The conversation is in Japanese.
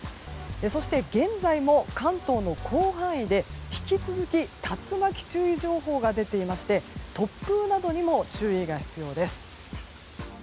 そして現在も関東の広範囲で引き続き竜巻注意情報が出ていまして突風などにも注意が必要です。